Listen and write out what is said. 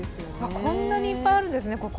こんなにいっぱいあるんですね